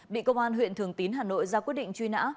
bị công an huyện thường tín hà nội ra quyết định truy nã